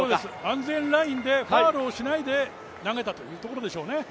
安全ラインでファウルをしないで投げたというところでしょうね。